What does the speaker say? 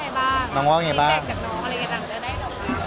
ฟรีแดกจากน้องอะไรอยู่ที่นี่เราก็ได้ตำรวจ